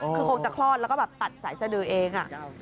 คือคงจะคลอดแล้วก็แบบตัดสายสดือเอง